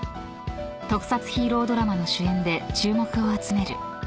［特撮ヒーロードラマの主演で注目を集める］